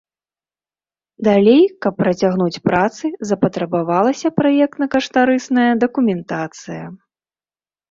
Далей, каб працягнуць працы, запатрабавалася праектна-каштарысная дакументацыя.